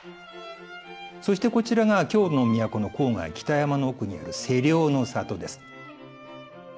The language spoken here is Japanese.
そしてこちらが京の都の郊外北山の奥にある芹生の里です。